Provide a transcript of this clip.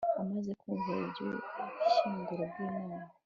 amaze kumva iby'ubushyinguro bw'imana